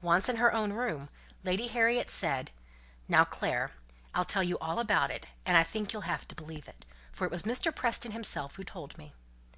Once in her own room, Lady Harriet said, "Now, Clare, I'll tell you all about it; and I think you'll have to believe it, for it was Mr. Preston himself who told me.